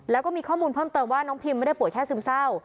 แล้วก็มีข้อมูลเพิ่มเติมว่าน้องพิมไม่ได้ป่วยแค่ซึมเศร้า